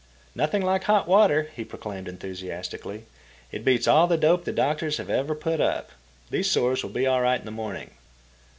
"Nothing like hot water," he proclaimed enthusiastically. "It beats all the dope the doctors ever put up. These sores will be all right in the morning."